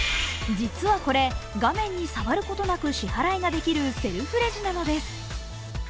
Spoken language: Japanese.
実はこれ、画面に触ることなく支払ができるセルフレジなのです。